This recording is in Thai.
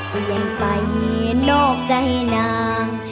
ก็ยังไปนอกใจนาง